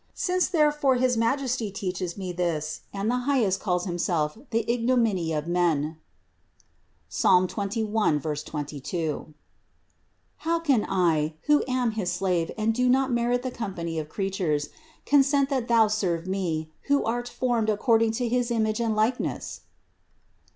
Since therefore his Majesty teaches me this and the Highest calls Himself the ignominy of men (Ps. 21, 22), how can I, who am his slave and do not merit the company of creatures, consent that thou serve me, who art formed according to his image and likeness?"